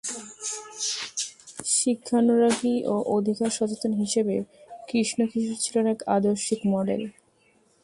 শিক্ষানুরাগী ও অধিকার সচেতন হিসেবে কৃষ্ণ কিশোর ছিলেন এক আদর্শিক মডেল।